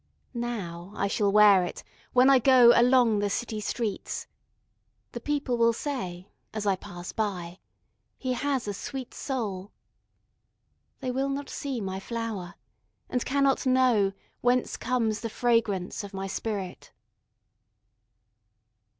Now I shall wear itWhen I goAlong the city streets:The people will sayAs I pass by—"He has a sweet soul!"They will not see my flower, And cannot knowWhence comes the fragrance of my spirit!